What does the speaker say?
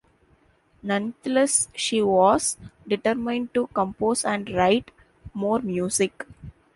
Nonetheless, she was determined to compose and write more music.